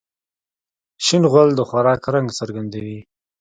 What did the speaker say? شین غول د خوراک رنګ څرګندوي.